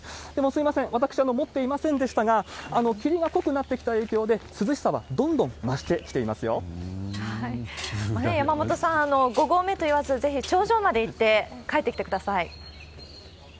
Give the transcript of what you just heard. すみません、私、持っていませんでしたが、霧が濃くなってきた影響で涼しさはどんどん増してきて山本さん、５合目と言わず、ぜひ頂上まで行って、帰ってきてください。